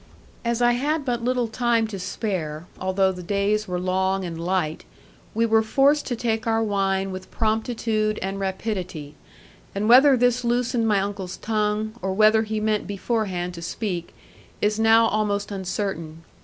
As I had but little time to spare (although the days were long and light) we were forced to take our wine with promptitude and rapidity; and whether this loosened my uncle's tongue, or whether he meant beforehand to speak, is now almost uncertain.